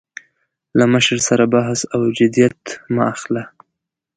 له مشر سره بحث او جدیت مه اخله.